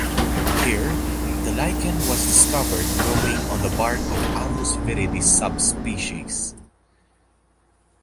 Here the lichen was discovered growing on the bark of "Alnus viridis" subsp.